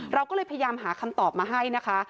เราก็เลยพยายามหาคำตอบมาให้นะคะ